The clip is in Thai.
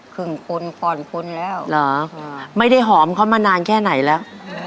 ครึ่งคนผ่อนคนแล้วเหรอไม่ได้หอมเขามานานแค่ไหนแล้ว